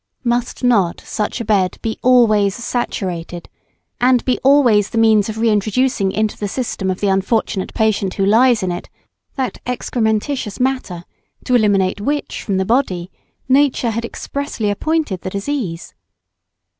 Must not such a bed be always saturated, and be always the means of re introducing into the system of the unfortunate patient who lies in it, that excrementitious matter to eliminate which from the body nature had expressly appointed the disease?